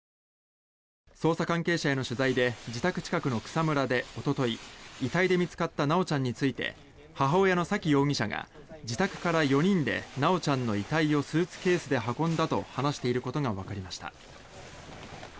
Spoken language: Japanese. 捜査関係者への取材で自宅近くの草むらでおととい、遺体で見つかった修ちゃんについて母親の沙喜容疑者が自宅から４人で修ちゃんの遺体をスーツケースで運んだと話していることがわかりました。